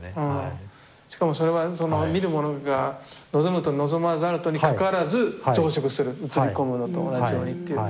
しかもそれはそれが見るものが望むと望まざるとにかかわらず増殖する映り込むのと同じようにっていう。